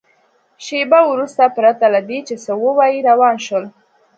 شېبه وروسته پرته له دې چې څه ووایي روان شول.